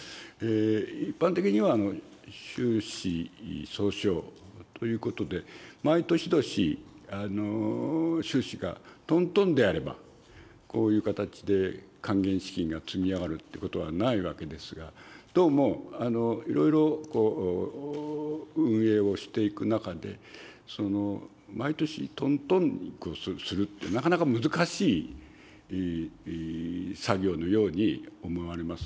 一般的には、収支相償ということで、毎年々、収支がとんとんであれば、こういう形で還元資金が積み上がるっていうことはないわけですが、どうもいろいろ運営をしていく中で、毎年とんとんにするって、なかなか難しい作業のように思われます。